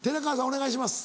お願いします。